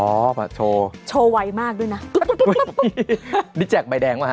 อ่ะอ๋อปะโชว์โชว์ไวมากด้วยน่ะนี่แจกใบแดงวะฮะ